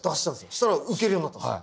そしたらウケるようになったんですよ。